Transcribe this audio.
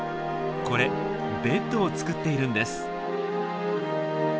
これベッドを作っているんです。